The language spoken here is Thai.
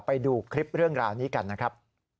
ไปดูคลิปเรื่องราวนี้กันนะครับ